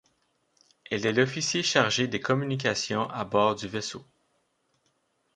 Elle est l'officier chargé des communications à bord du vaisseau.